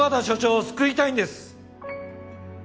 署長を救いたいんです！